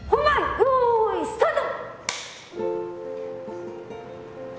よいスタート！